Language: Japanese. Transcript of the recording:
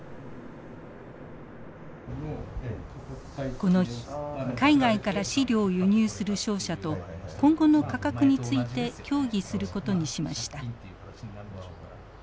この日海外から飼料を輸入する商社と今後の価格について協議することにしました。